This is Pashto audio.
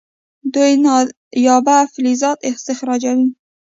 دوی نایابه فلزات استخراجوي.